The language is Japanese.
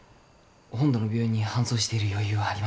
本土の病院に搬送している余裕はありません。